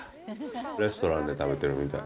レストランで食べてるみたい。